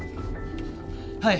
はい！